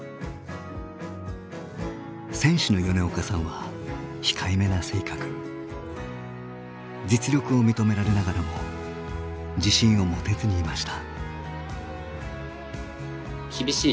選手の米岡さんは実力を認められながらも自信を持てずにいました。